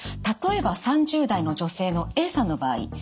例えば３０代の女性のＡさんの場合。